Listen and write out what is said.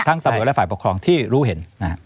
ตำรวจและฝ่ายปกครองที่รู้เห็น